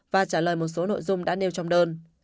và trả lời một số nội dung đã nêu trong đơn